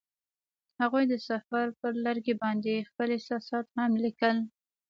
هغوی د سفر پر لرګي باندې خپل احساسات هم لیکل.